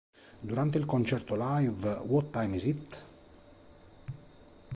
Durante il concerto live "What Time is It?